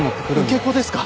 受け子ですか？